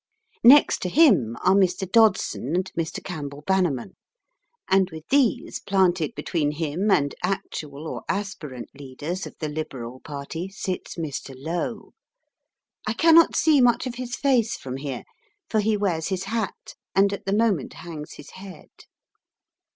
Next to him are Mr. Dodson and Mr. Campbell Bannerman, and, with these planted between him and actual or aspirant leaders of the Liberal party, sits Mr. Lowe. I cannot see much of his face from here, for he wears his hat and at the moment hangs his head.